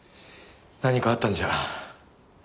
何かあったんじゃ。